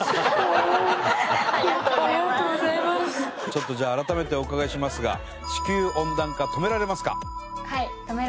ちょっとじゃあ改めてお伺いしますが地球温暖化止められますか？